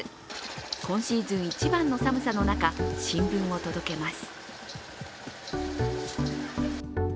今シーズン一番の寒さの中、新聞を届けます。